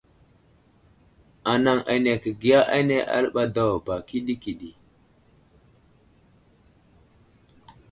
Anaŋ ane kəbiya ane aləɓay daw ba ɗikiɗiki.